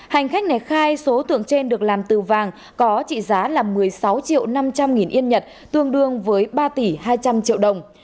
hành khách này khai số tượng trên được làm từ vàng có trị giá là một mươi sáu triệu năm trăm linh yên nhật tương đương với ba tỷ hai trăm linh triệu đồng